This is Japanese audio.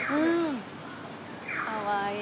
かわいい。